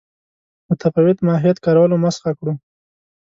متفاوت ماهیت کارولو مسخه کړو.